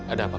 ada apa pak